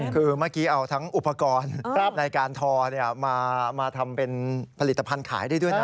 คือเมื่อกี้เอาทั้งอุปกรณ์ในการทอมาทำเป็นผลิตภัณฑ์ขายได้ด้วยนะ